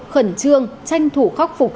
khẩn trương tranh thủ khắc phục